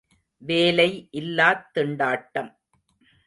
வேலை இல்லாத் திண்டாட்டம்.